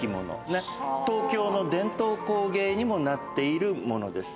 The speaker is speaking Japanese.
東京の伝統工芸にもなっているものです。